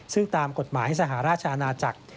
ซึ่งตามกฎหมายสหราชอาณาจักร